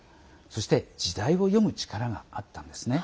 そして時代を読む力があったんですね。